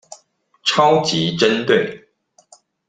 超級針對